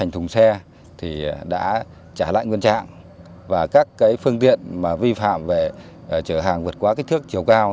thì đã trả lại nguyên trạng và các phương tiện vi phạm về chở hàng vượt qua kích thước chiều cao